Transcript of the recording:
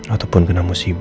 atau pun kena musibah